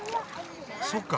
そっか。